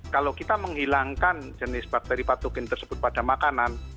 kalau kita menghilangkan jenis bakteri patokin tersebut pada makanan